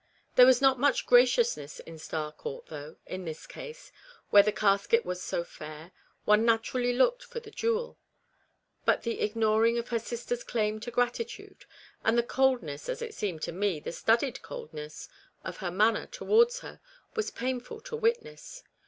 There was not much graciousness in Star Court, though, in this case, where the casket was so fair, one naturally looked for the jewel ; but the ignoring of her sister's claim to gratitude, and the cold ness as it seemed to me, the studied coldness of her manner towards her was painful to witness.